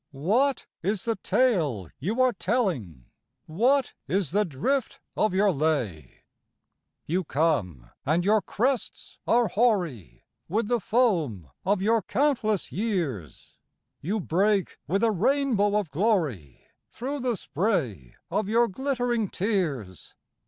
What is the tale you are telling? What is the drift of your lay? You come, and your crests are hoary with the foam of your countless years; You break, with a rainbow of glory, through the spray of your glittering tears.